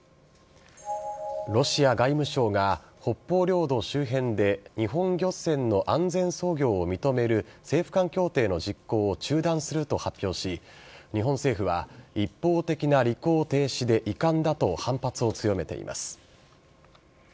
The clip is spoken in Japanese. ロシア外務省が北方領土周辺で日本漁船の安全操業を認める政府間協定の実行を中断すると発表し日本政府は一方的な履行停止で遺憾だと反発を強めています。